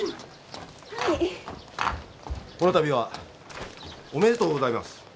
この度はおめでとうございます。